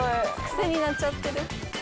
癖になっちゃってる。